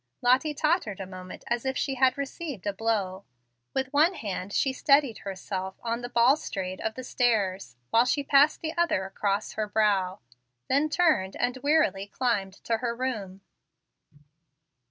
Lottie tottered a moment as if she had received a blow. With one hand she steadied herself on the balustrade of the stairs, while she passed the other across her brow, then turned and wearily climbed to her room.